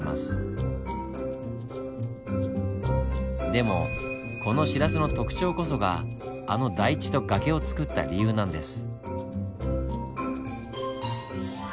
でもこのシラスの特徴こそがあの台地と崖をつくった理由なんです。